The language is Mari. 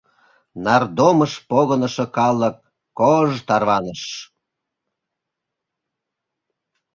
Нардомыш погынышо калык кож-ж тарваныш.